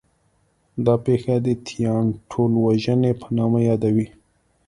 دا پېښه د 'تیان ټولوژنې' په نامه یادوي.